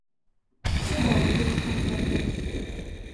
— Тидат кӱлешан паша...